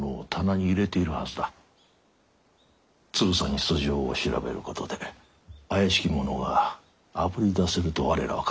つぶさに素性を調べることで怪しき者があぶり出せると我らは考えているのだ。